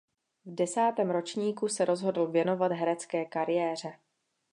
V desátém ročníku se rozhodl věnovat herecké kariéře.